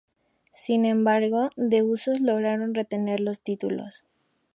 Sin embargo, The Usos lograron retener los títulos.